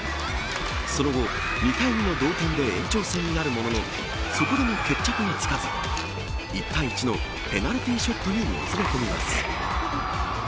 その後、２対２の同点で延長戦になるもののそこでも決着がつかず１対１のペナルティーショットにもつれ込みます。